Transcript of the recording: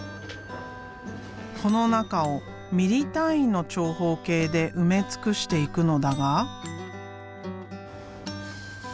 この中をミリ単位の長方形で埋め尽くしていくのだが。